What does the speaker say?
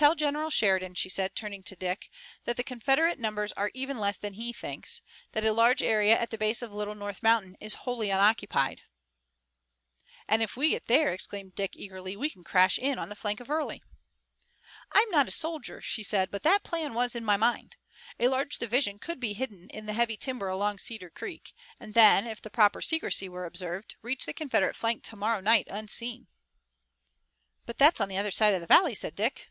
"Tell General Sheridan," she said, turning to Dick, "that the Confederate numbers are even less than he thinks, that a large area at the base of Little North Mountain is wholly unoccupied." "And if we get there," exclaimed Dick, eagerly, "we can crash in on the flank of Early." "I'm not a soldier," she said, "but that plan was in my mind. A large division could be hidden in the heavy timber along Cedar Creek, and then, if the proper secrecy were observed, reach the Confederate flank tomorrow night, unseen." "And that's on the other side of the valley," said Dick.